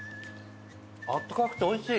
あったかくておいしい。